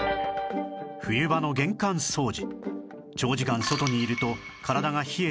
冬場の玄関掃除